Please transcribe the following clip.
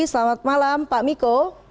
selamat malam pak miko